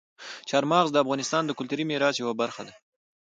چار مغز د افغانستان د کلتوري میراث یوه برخه ده.